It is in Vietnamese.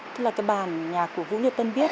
tức là cái bản nhạc của vũ nhật tân biết